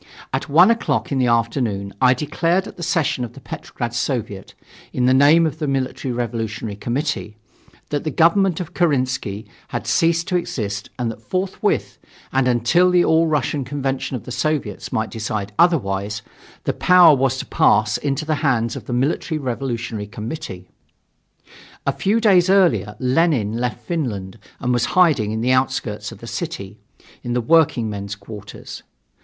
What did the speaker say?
At one o'clock in the afternoon I declared at the session of the Petrograd Soviet, in the name of the Military Revolutionary Committee, that the government of Kerensky had ceased to exist and that forthwith, and until the All Russian Convention of the Soviets might decide otherwise, the power was to pass into the hands of the Military Revolutionary Committee. A few days earlier Lenin left Finland and was hiding in the outskirts of the city, in the workingmen's quarters.